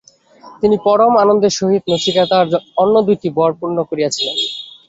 তিনি পরম আনন্দের সহিত নচিকেতার অন্য দুইটি বর পূর্ণ করিয়াছিলেন।